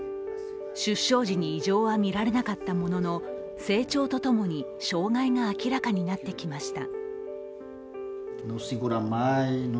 出生時に異常は見られなかったものの成長とともに障害が明らかになってきました。